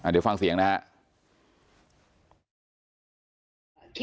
เดี๋ยวฟังเสียงนะครับ